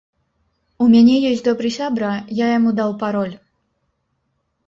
У мяне ёсць добры сябра, я яму даў пароль.